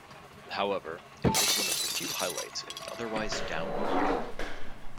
However, it was one of few highlights in an otherwise down year.